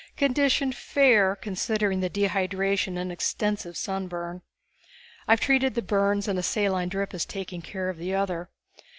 Condition fair, considering the dehydration and extensive sunburn. I've treated the burns, and a saline drip is taking care of the other.